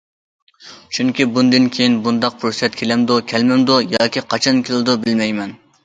چۈنكى بۇندىن كېيىن بۇنداق پۇرسەت كېلەمدۇ كەلمەمدۇ ياكى قاچان كېلىدۇ بىلمەيمەن.